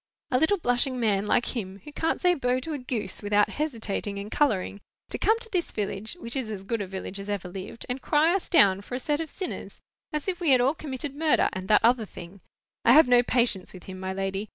"A little blushing man like him, who can't say bo to a goose without hesitating and colouring, to come to this village—which is as good a village as ever lived—and cry us down for a set of sinners, as if we had all committed murder and that other thing!—I have no patience with him, my lady.